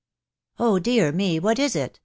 " Oh, dear me ! What is it ?